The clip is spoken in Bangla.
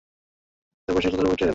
তারপর সে গোসল করে পবিত্র হয়ে এল।